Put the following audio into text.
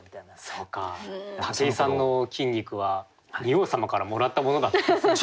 そうか武井さんの筋肉は仁王様からもらったものだったんですね。